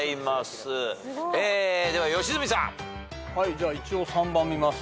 じゃあ一応３番見ます。